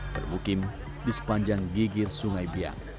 bermukim di sepanjang gigir sungai biang